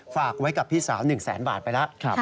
ฝากไว้กับพี่สาว๑แสนบาทไปแล้ว